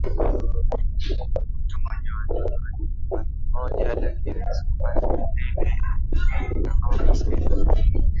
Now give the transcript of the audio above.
Mtu mwenye watoto wengi upande mmoja lakini si upande wa pili anahesabiwa kama maskini